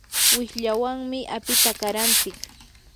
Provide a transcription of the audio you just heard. wishlawanmi apita qarantsik.